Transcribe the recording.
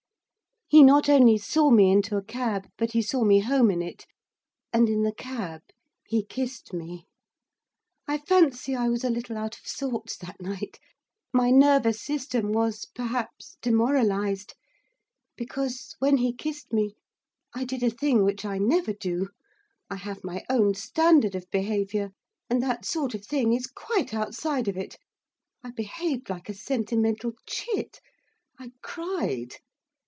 He not only saw me into a cab, but he saw me home in it. And in the cab he kissed me. I fancy I was a little out of sorts that night. My nervous system was, perhaps, demoralised. Because, when he kissed me, I did a thing which I never do, I have my own standard of behaviour, and that sort of thing is quite outside of it; I behaved like a sentimental chit. I cried.